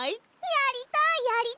やりたい！